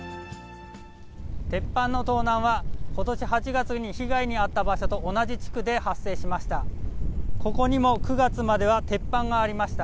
鉄板の盗難は、ことし８月に被害に遭った場所と同じ地区で発生しました。